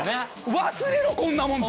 忘れろこんなもん！